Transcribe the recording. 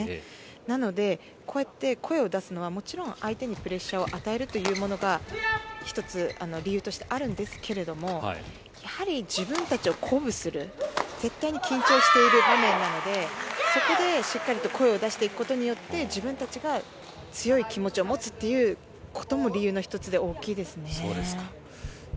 なので、こうやって声を出すのはもちろん相手にプレッシャーを与えるのが１つ理由としてあるんですがやはり自分たちを鼓舞する絶対に緊張している場面なのでそこでしっかりと声を出していくことによって自分たちが強い気持ちを持つということも理由の１つで大きいですね。